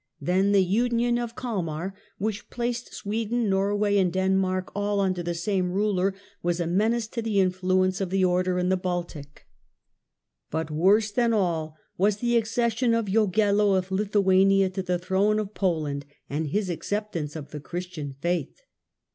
Then the union of Kalmar, which placed Sweden, Norway and Denmark all under the same ruler, was a menace to the influence of the Order in the Baltic : but worse than all was the accession of Jagello of Lithuania to the throne of Poland and his acceptance of the Christian faith.